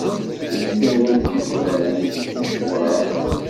Wid ara d-yufraren deg umecwar-a